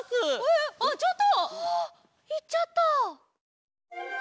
あいっちゃった。